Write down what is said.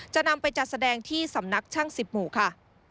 จะนำไปจัดแสดงที่สำนักช่าง๑๐หมู่ค่ะ